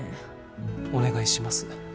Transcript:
お願いします。